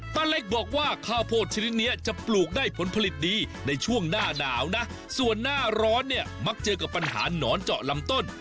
ป้าเล็กบอกว่าข้าวโพดชนิดนี้จะปลูกได้ผลผลิตดีในช่วงหน้าหนาวนะส่วนหน้าร้อนเนี่ยมักเจอกับปัญหาหนอนเจาะลำต้น